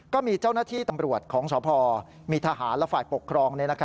ก็มีเจ้าหน้าที่ตำรวจของสพมีทหารและฝ่ายปกครอง